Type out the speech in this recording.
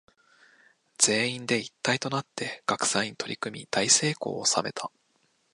全員で一体となって学祭に取り組み大成功を収めた。